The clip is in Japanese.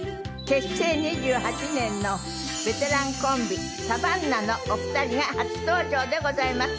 結成２８年のベテランコンビサバンナのお二人が初登場でございます。